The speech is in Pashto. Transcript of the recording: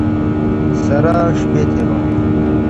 ســـره شپـــــې تېــروم